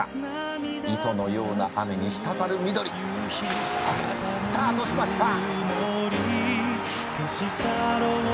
「糸のような雨にしたたる緑」「スタートしました」